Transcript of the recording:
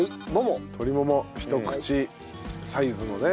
鶏ももひと口サイズのね。